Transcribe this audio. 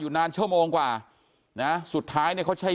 อยู่นานชั่วโมงกว่านะสุดท้ายเราใช้